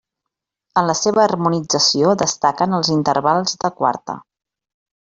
En la seva harmonització destaquen els intervals de quarta.